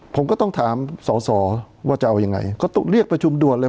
ผมก็ต้องถามสอสอว่าจะเอายังไงก็ต้องเรียกประชุมด่วนเลย